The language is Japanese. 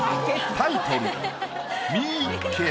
タイトル